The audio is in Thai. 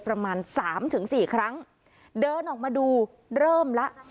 ประมาณสามถึงสี่ครั้งเดินออกมาดูเริ่มแล้ว